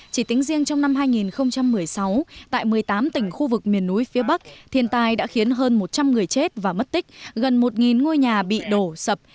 chỉ tính riêng trong năm hai nghìn một mươi sáu tại một mươi tám tỉnh khu vực miền núi phía bắc thiên tai đã khiến hơn một trăm linh người chết và mất tích gần một ngôi nhà bị đổ sập